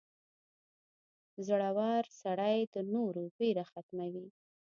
• زړور سړی د نورو ویره ختموي.